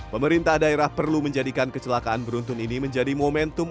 pemerintah daerah perlu menjadikan kecelakaan beruntun ini menjadi momentum